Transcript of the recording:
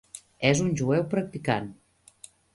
És un jueu practicant.